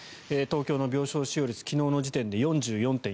東京の病床使用率昨日の時点で４４．４％。